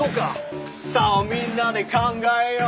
「さあみんなで考えよう」